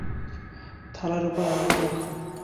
থালার উপর আঙ্গুর রাখ।